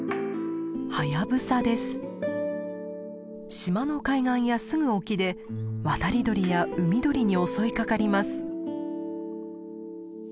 島の海岸やすぐ沖で渡り鳥や海鳥に襲いかかります。